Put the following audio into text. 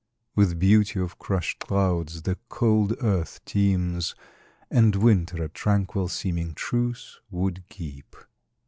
With beauty of crushed clouds the cold earth teems, And winter a tranquil seeming truce would keep.